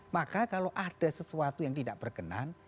maka kalau ada sesuatu yang tidak berkenan